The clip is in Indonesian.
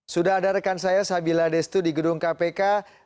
sudah ada rekan saya sabila destu di gedung kpk